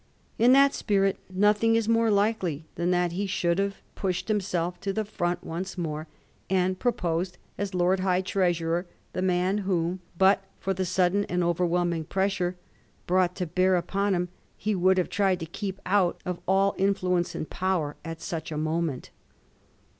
In that spirit nothing is more likely than that he should have pushed himself to the front once more, and proposed as Lord High Treasurer the man whom, but for the sudden and overwhelming pressure brought to bear upon him, he would have tried to keep out of all influence and power at such a moment.